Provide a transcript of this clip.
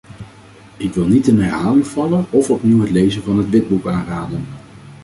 Ik wil niet in herhaling vallen of opnieuw het lezen van het witboek aanraden.